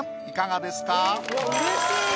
いかがですか？